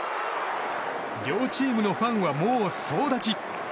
両チームのファンはもう総立ち。